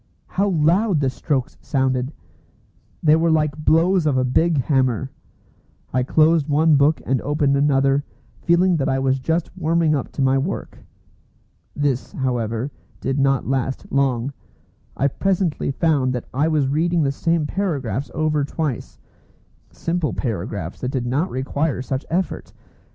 How loud the strokes sounded! They were like blows of a big hammer. I closed one book and opened another, feeling that I was just warming up to my work. This, however, did not last long. I presently found that I was reading the same paragraphs over twice, simple paragraphs that did not require such effort.